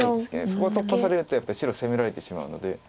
そこを突破されるとやっぱり白攻められてしまうので。